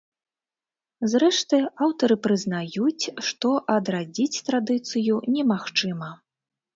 Зрэшты, аўтары прызнаюць, што адрадзіць традыцыю немагчыма.